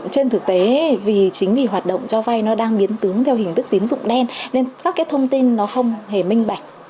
trên thực tế vì chính vì hoạt động cho vay nó đang biến tướng theo hình thức tín dụng đen nên các cái thông tin nó không hề minh bạch